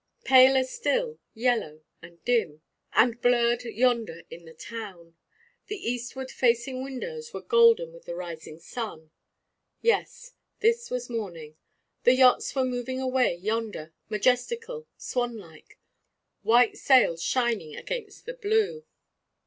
Paler still, yellow, and dim, and blurred yonder in the town. The eastward facing windows were golden with the rising sun. Yes, this was morning. The yachts were moving away yonder, majestical, swan like, white sails shining against the blue.